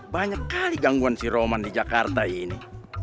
banyak kali gangguan si roman di jakarta ini